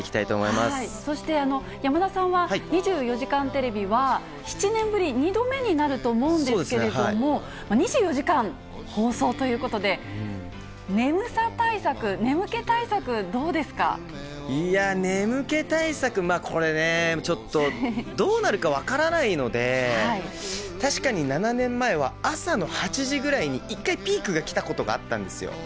そして山田さんは、２４時間テレビは、７年ぶり２度目になると思うんですけれども、２４時間放送ということで、いやー、眠気対策、まあ、これね、ちょっとどうなるか分からないので、確かに７年前は朝の８時ぐらいに一回ピークが来たことがあったんですよ。